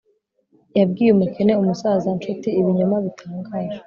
Yabwiye umukene umusaza nshuti ibinyoma bitangaje